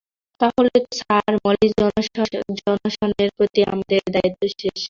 তাহলে তো sir Molly জনসনের প্রতি আমাদের দায়িত্ব শেষ।